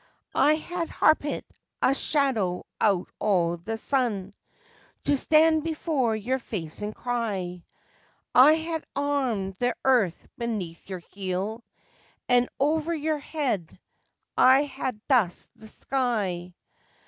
"I ha' harpit a shadow out o' the sun To stand before your face and cry; I ha' armed the earth beneath your heel, And over your head I ha' dusked the sky!